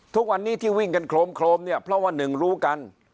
ทุกวันนี้ที่วิ่งกันโครมเนี่ยเพราะว่าหนึ่งรู้กัน